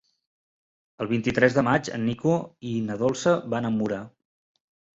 El vint-i-tres de maig en Nico i na Dolça van a Mura.